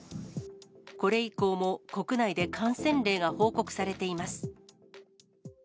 これ以降も国内で感染例が報告されています。